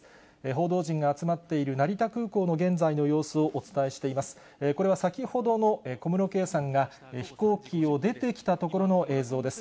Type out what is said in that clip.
報道陣が集まっている成田空港の現在の様子をお伝えしています。